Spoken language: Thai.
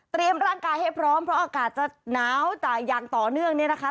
ร่างกายให้พร้อมเพราะอากาศจะหนาวจ่ายอย่างต่อเนื่องเนี่ยนะคะ